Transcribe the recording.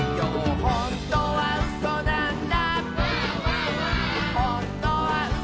「ほんとにうそなんだ」